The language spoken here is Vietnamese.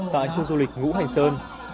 tại khu du lịch ngũ hành sơn